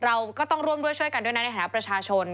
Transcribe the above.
เราก็ต้องร่วมด้วยช่วยกันด้วยนะในฐานะประชาชน